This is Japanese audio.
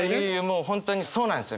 もう本当にそうなんですよね。